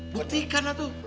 buktikan lah tuh